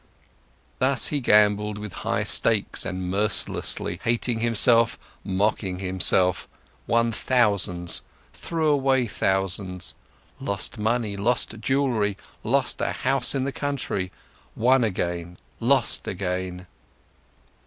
Thus he gambled with high stakes and mercilessly, hating himself, mocking himself, won thousands, threw away thousands, lost money, lost jewelry, lost a house in the country, won again, lost again.